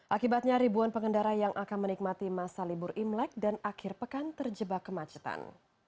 akibatnya ribuan pengendara yang akan menikmati masa libur imlek dan akhir pekan terjebak kemacetan